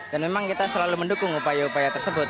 dan memang kita selalu mendukung upaya upaya tersebut